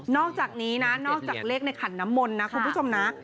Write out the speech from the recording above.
อกจากนี้นะนอกจากเลขในขันน้ำมนต์นะคุณผู้ชมนะ